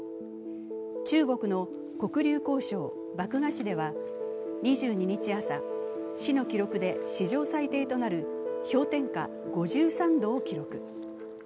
中国の黒竜江省漠河市では２２日朝市の記録で史上最低となる氷点下５３度を記録。